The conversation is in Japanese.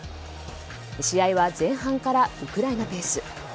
試合は前半からウクライナペース。